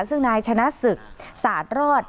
ซึ่งนายชนะศึกสาดรอด